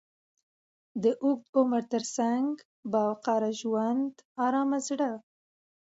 د اوږد عمر تر څنګ، با وقاره ژوند، ارام زړه،